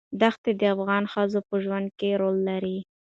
دښتې د افغان ښځو په ژوند کې رول لري.